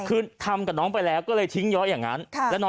คือทำกับน้องไปแล้วก็เลยทิ้งย้อยอย่างนั้น